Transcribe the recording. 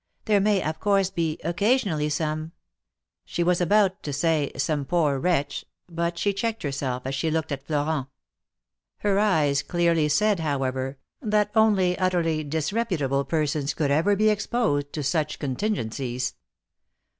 There may, of course, be occasionally some —" 118 THE MARKETS OF PARIS. She was probably about to say '^some poor wretch," but she checked herself as she looked at Florent; her eyes clearly said, however, that only utterly disreputable persons could ever be exposed to such contingencies.